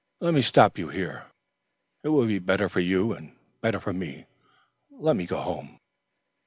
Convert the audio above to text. Let me stop you here. It will be better for you and better for me. Let me go home."